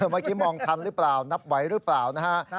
เมื่อกี้มองทันหรือเปล่านับไหวหรือเปล่านะฮะ